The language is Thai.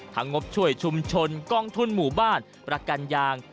งบช่วยชุมชนกองทุนหมู่บ้านประกันยาง